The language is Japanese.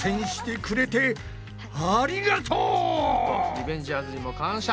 リベンジャーズにも感謝。